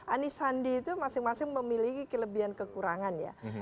anis sandi itu masing masing memiliki kelebihan kekurangan